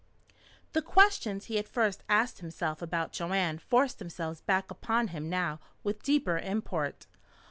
The questions he had first asked himself about Joanne forced themselves back upon him now with deeper import.